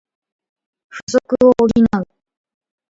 不足を補う